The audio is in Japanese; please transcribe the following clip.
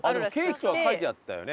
「ケーキ」とは書いてあったよね。